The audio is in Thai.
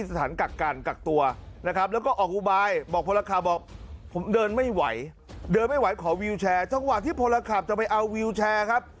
สถานกักกันกักตัวนะครับแล้วก็ออกอุบายบอกพลขับบอกผมเดินไม่ไหวเดินไม่ไหวขอวิวแชร์จังหวะที่พลขับจะไปเอาวิวแชร์ครับ